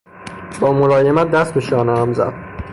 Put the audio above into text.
با ملایمت دست به شانهام زد.